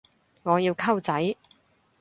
我要溝仔